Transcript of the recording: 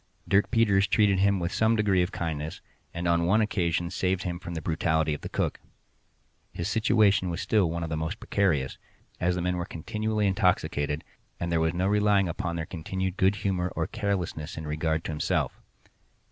Dirk Peters treated him with some degree of kindness, and on one occasion saved him from the brutality of the cook. His situation was still one of the most precarious, as the men were continually intoxicated, and there was no relying upon their continued good humor or carelessness in regard to himself.